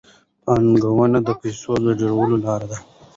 پانګونه د پیسو د ډېرولو لار ده.